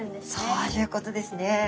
そういうことですね！